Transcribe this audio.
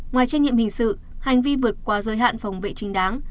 ngoài trách nhiệm hình sự hành vi vượt qua giới hạn phòng vệ chính đáng